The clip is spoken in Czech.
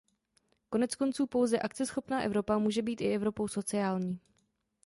Koneckonců pouze akceschopná Evropa může být i Evropou sociální.